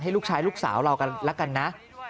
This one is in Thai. ลูกชายลูกสาวเรากันแล้วกันนะ